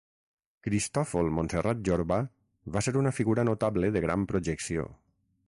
Cristòfol Montserrat Jorba va ser una figura notable de gran projecció.